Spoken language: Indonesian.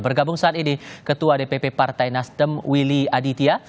bergabung saat ini ketua dpp partai nasdem willy aditya